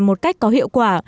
một cách có hiệu quả